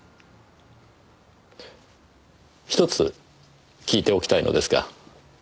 ひとつ聞いておきたいのですが。